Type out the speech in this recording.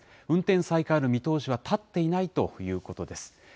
運転再開の見通しは立っていないということです。